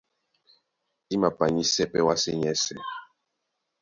I mapanyísɛ́ pɛ́ wásē nyɛ́sɛ̄.